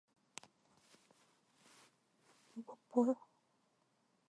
"밤낮 일만 하다 말 텐가!"